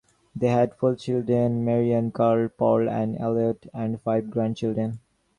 They had four children: Maryann, Carl, Paul, and Elliot; and five grandchildren.